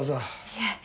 いえ。